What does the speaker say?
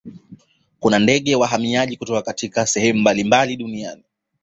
kuna ndege wahamaji kutoka katika sehemu mbalimbali duniani